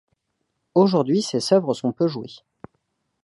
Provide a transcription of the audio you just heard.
Aujourd'hui, ses œuvres sont peu jouées.